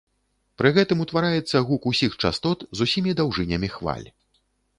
Пры гэтым утвараецца гук усіх частот з усімі даўжынямі хваль.